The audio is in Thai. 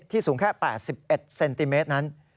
สูงแค่๘๑เซนติเมตรนั้น